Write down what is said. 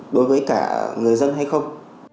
đối với cả người dân hay không